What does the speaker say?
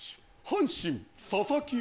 阪神佐々木朗希。